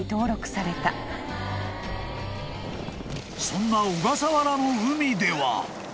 ［そんな小笠原の海では］